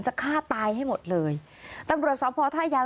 จะฆ่าตายให้หมดเลยตำรวจสอบพอท่ายาว